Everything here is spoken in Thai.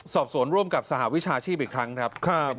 ขอบคุณครับ